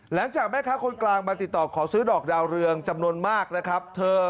หลังจากแม่ค้าคนกลางมาติดต่อขอซื้อดอกดาวเรืองจำนวนมากนะครับ